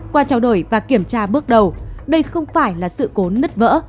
qua trao đổi và kiểm tra bước đầu đây không phải là sự cố nứt vỡ